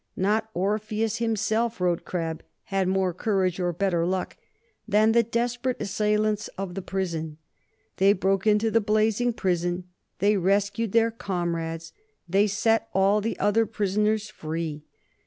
"Not Orpheus himself," wrote Crabbe, "had more courage or better luck" than the desperate assailants of the prison. They broke into the blazing prison, they rescued their comrades, they set all the other prisoners free.